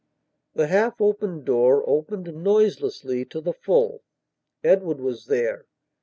The half opened door opened noiselessly to the full. Edward was there.